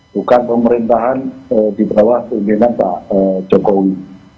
bukan pemerintahan di bawah pimpinan pak jokowi